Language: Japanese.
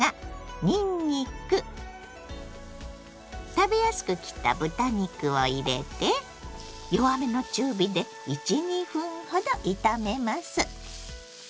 にんにく食べやすく切った豚肉を入れて弱めの中火で１２分ほど炒めます。